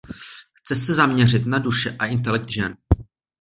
Chce se zaměřit na duše a intelekt žen.